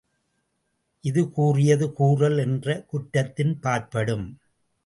இது கூறியது கூறல் என்ற குற்றத்தின்பாற்படும்.